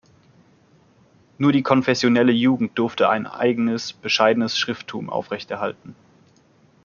Nur die konfessionelle Jugend durfte ein eigenes, bescheidenes Schrifttum aufrechterhalten.